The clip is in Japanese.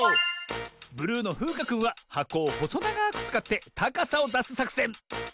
ブルーのふうかくんははこをほそながくつかってたかさをだすさくせん。